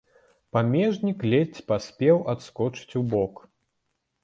Памежнік ледзь паспеў адскочыць убок.